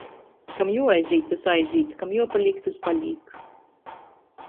Kam juoaizīt, tys aizīt, kam juopalīk, tys palīk.